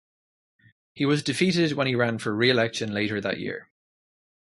He was defeated when he ran for reelection later that year.